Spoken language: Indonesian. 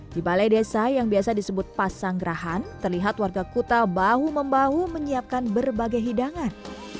di balai desa yang biasa disebut pasanggerahan terlihat warga kuta bahu membahu menyiapkan berbagai hidangan